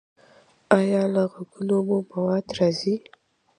ایا له غوږونو مو مواد راځي؟